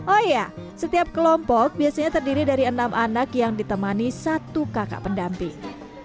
oh iya setiap kelompok biasanya terdiri dari enam anak yang ditemani satu kakak pendamping